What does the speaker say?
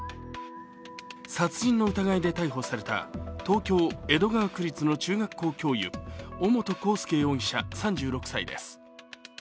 殺人の疑いで逮捕された東京・江戸川区立の中学校教諭尾本幸祐容疑者３６歳です。